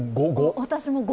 私も５。